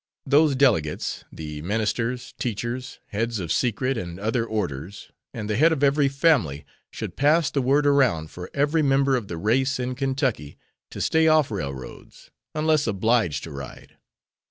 Those delegates, the ministers, teachers, heads of secret and others orders, and the head of every family should pass the word around for every member of the race in Kentucky to stay oil railroads unless obliged to ride.